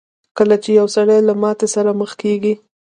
کله چې يو سړی له ماتې سره مخ کېږي.